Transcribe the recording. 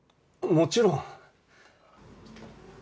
もちろん！